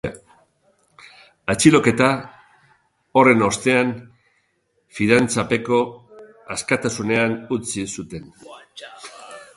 Atxiloketa horren ostean fidantzapeko asktasunean utzi zuten.